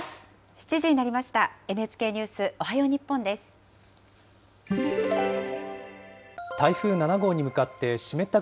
７時になりました。